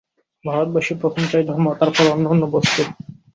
ভারতবাসী প্রথম চায় ধর্ম, তারপর অন্যান্য বস্তু।